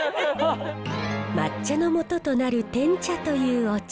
抹茶のもととなるてん茶というお茶。